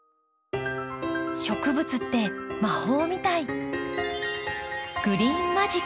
植物って魔法みたい。